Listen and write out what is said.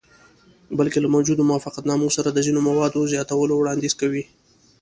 بلکې له موجودو موافقتنامو سره د ځینو موادو زیاتولو وړاندیز کوي.